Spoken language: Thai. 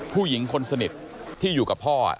ผู้หญิงคนสนิทที่อยู่กับพ่อ